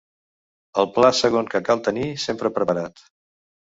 El pla segon que cal tenir sempre preparat.